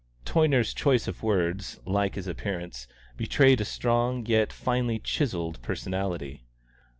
Toyner's choice of words, like his appearance, betrayed a strong, yet finely chiselled personality.